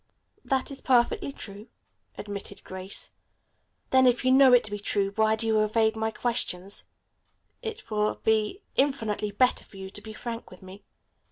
"That is perfectly true," admitted Grace. "Then if you know it to be true, why do you evade my question? It will be infinitely better for you to be frank with me.